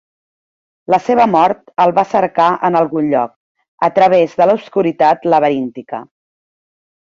La seva mort el va cercar en algun lloc, a través de l'obscuritat laberíntica.